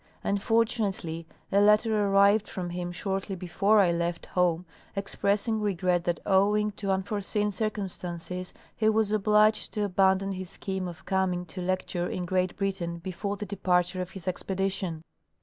Unfortunately a letter arrived from him shortly before I left home expressing regret that owing to unforeseen circumstances he was obliged to abandon his scheme of coming to lecture in Great Britain before the de parture of his expedition.